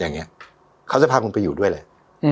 อย่างนี้เขาจะพาคุณไปอยู่ด้วยเลย